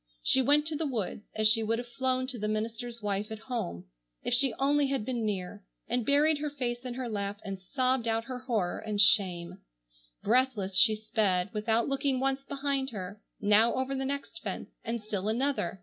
She went to the woods as she would have flown to the minister's wife at home, if she only had been near, and buried her face in her lap and sobbed out her horror and shame. Breathless she sped, without looking once behind her, now over the next fence and still another.